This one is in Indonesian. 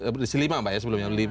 berisi lima mbak ya sebelumnya